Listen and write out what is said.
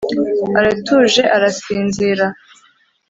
Aratuje arasinzira